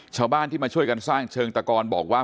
ชาวบ้านที่มาช่วยกันสร้างเชิงตะกอนบอกว่า